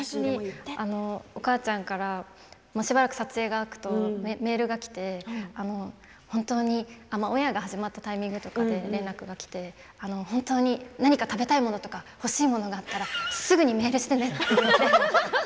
お母ちゃんからしばらく撮影が空くとメールがきて本当に始まったタイミングとかで連絡が来て、食べたいものとか欲しいものがあったらすぐにメールしてねって。